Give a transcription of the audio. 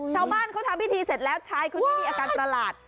ชาวบ้านเขาทำพิธีเสร็จแล้วชายคนนี้มีอาการประหลาด